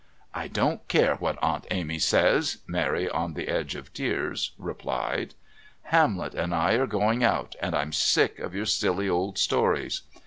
"I don't care what Aunt Amy says," Mary on the edge of tears replied. "Hamlet and I are going out. And I'm sick of your silly old stories."